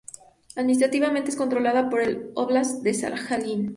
Administrativamente es controlada por el óblast de Sajalín.